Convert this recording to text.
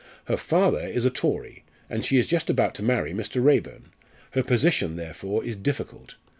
Her father is a Tory and she is just about to marry Mr. Raeburn. Her position, therefore, is difficult.